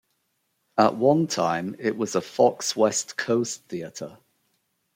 At one time it was a Fox West Coast theater.